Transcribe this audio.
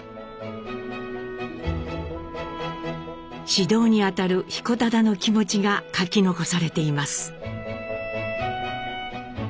指導にあたる彦忠の気持ちが書き残されています。